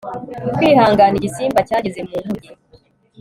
kwihangana, igisimba cyageze mu nkuge